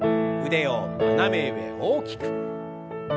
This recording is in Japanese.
腕を斜め上大きく。